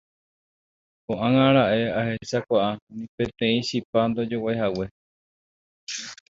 ko'ág̃a raẽ ahechakuaa ni peteĩ chipa ndajoguaihague